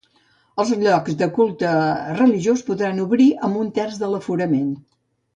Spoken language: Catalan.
Els llocs de culte religiós podran obrir amb un terç de l’aforament.